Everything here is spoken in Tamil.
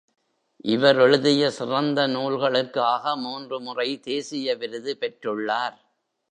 இவர் எழுதிய சிறந்த நூல்களுக்காக மூன்று முறை தேசிய விருது பெற்றுள்ளார்.